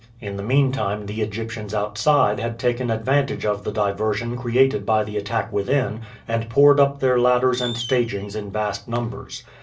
In the meantime the Egyptians outside had taken advantage of the diversion created by the attack within, and poured up their ladders and stagings in vast numbers.